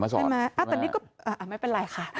ไม่ไหมอ่ะแต่นี่ก็อ่ะไม่เป็นไรค่ะ